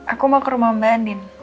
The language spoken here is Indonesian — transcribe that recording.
aku mau ke rumah mbak andin